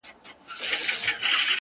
هغه مئین خپل هر ناهیلي پل ته رنگ ورکوي.